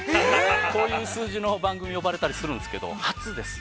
こういう数字の番組呼ばれたりするんですけど初です。